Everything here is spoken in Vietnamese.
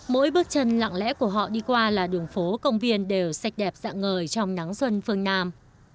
mỗi bước chân lặng lẽ của họ đi qua là đường phố công viên đều sạch đẹp dạng ngời trong nắng xuân phương nam